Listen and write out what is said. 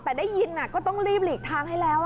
แต่ได้ยินก็ต้องรีบหลีกทางให้แล้ว